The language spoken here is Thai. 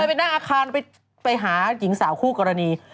เดินไปหน้าอาคารไปหาหญิงสาวคู่กรณี